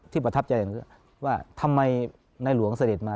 ประทับใจว่าทำไมในหลวงเสด็จมา